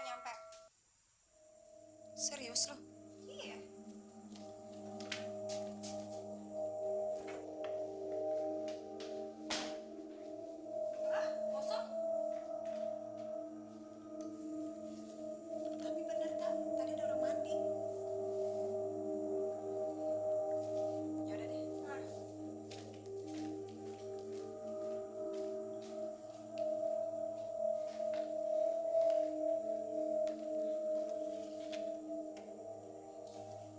gue nggak tahu kayak apa sih tuh nenek nenek